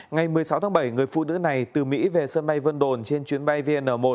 ngày một mươi sáu tháng bảy người phụ nữ này từ mỹ về sân bay vân đồn trên chuyến bay vn một